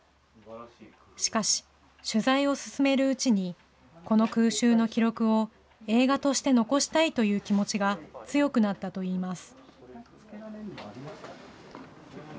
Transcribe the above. しかし、取材を進めるうちに、この空襲の記録を映画として残したいという気持ちが強くなったといいます。